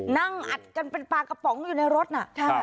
นั่งอัดกันเป็นปลากระป๋องอยู่ในรถน่ะ